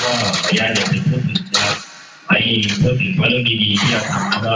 พยายามจะเป็นผู้สินทรัพย์ไปผู้สินทรัพย์ก็เรียกว่าเรื่องดีดีที่เราทำมาก็